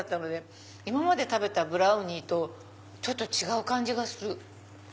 今まで食べたブラウニーとちょっと違う感じがする。